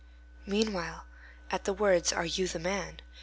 Meanwhile, at the words, _Are you the man?